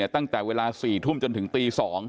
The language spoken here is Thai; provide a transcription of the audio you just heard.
ตั้งแต่เวลา๔ทุ่มจนถึงตี๒